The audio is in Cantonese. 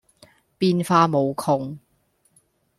變化無窮